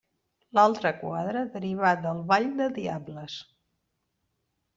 L'altre quadre derivat del ball de diables.